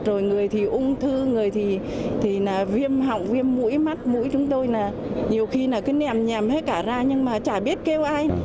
rồi người thì ung thư người thì viêm hỏng viêm mũi mắt mũi chúng tôi là nhiều khi là cứ nèm nèm hết cả ra nhưng mà chả biết kêu ai